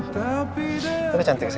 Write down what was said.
tapi dari doa